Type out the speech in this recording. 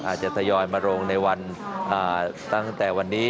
อาจจะทยอยมาลงในวันตั้งแต่วันนี้